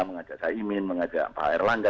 mengajak caimin mengajak pak erlangga